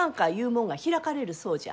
もんが開かれるそうじゃ。